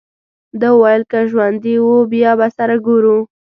ده وویل: که ژوندي وو، بیا به سره ګورو.